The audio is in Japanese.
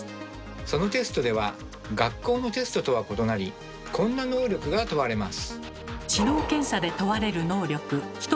そのテストでは学校のテストとは異なりこんな能力が問われます。